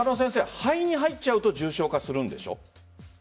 肺に入っちゃうと重症化するんでしょ？